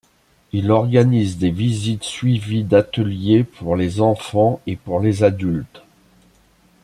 Il organise des visites suivies d'ateliers pour les enfants et pour les adultes.